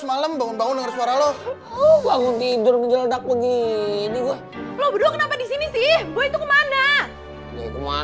ambil deh gua